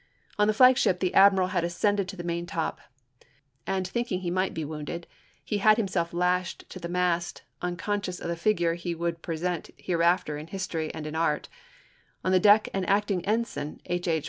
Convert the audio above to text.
On the flagship the admiral had ascended to the maintop, and think ing he might be wounded he had himself lashed to the mast, unconscious of the figure he would present hereafter in history and in art; on the deck an acting ensign, H. H.